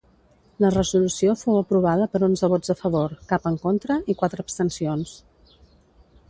La resolució fou aprovada per onze vots a favor, cap en contra i quatre abstencions.